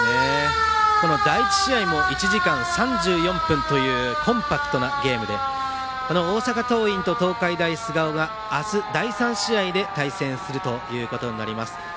第１試合も１時間３４分というコンパクトなゲームで大阪桐蔭と東海大菅生が明日、第３試合で対戦することになります。